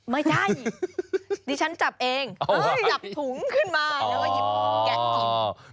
ไม่ใช่ดิฉันจับเองจับถุงขึ้นมาแล้วก็หยิบแกะกิน